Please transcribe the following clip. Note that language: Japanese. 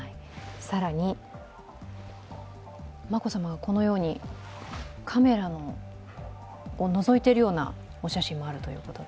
更に、眞子さまがこのようにカメラをのぞいてるようなお写真もあるということで。